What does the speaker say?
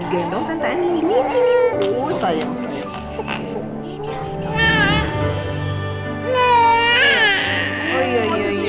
daddy kesia lucu banget ya